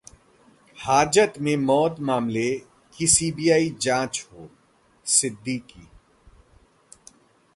हाजत में मौत मामले की सीबीआई जांच हो: सिद्दीकी